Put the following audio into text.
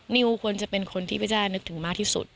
นิวควรจะเป็นคนที่พระเจ้านึกถึงมากที่สุด